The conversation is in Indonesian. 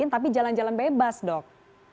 tapi jalan jalan bebas dok